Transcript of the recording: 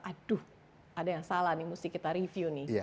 aduh ada yang salah nih mesti kita review nih